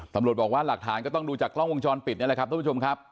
ตำรวจบอกว่าหลักฐานก็ต้องดูจากกล้องวงจรปิดนี่แหละครับทุกผู้ชมครับ